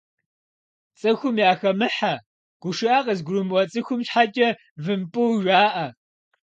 Цӏыхухэм яхэмыхьэ, гушыӏэ къызыгурымыӏуэ цӏыхум щхьэкӏэ вымпӏу жаӏэ.